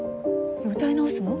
歌い直すの？